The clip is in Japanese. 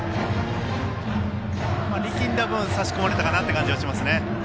力んだ分、差し込まれた感じがしますね。